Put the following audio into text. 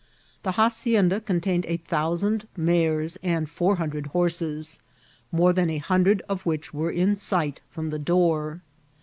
The hacienda con tained a thousand mares and four hundred horses, more than a hundred of which were in sig^t firom the door.